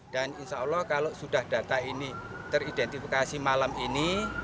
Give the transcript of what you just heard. dan insya allah kalau sudah data ini teridentifikasi malam ini